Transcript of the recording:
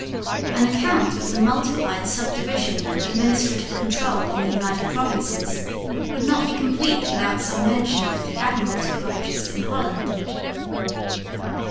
An account of the multiplied subdivision of administrative control in the United Provinces would not be complete without some mention of the Admiralty Colleges in Holland.